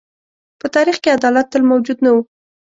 په تاریخ کې عدالت تل موجود نه و.